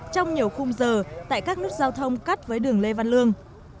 trong nhiều khung giờ tại các nút giao thông cắt với đường lê văn lương